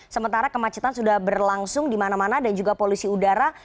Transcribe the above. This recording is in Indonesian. sementara kemacetan sudah berlangsung di mana mana dan juga polusi udara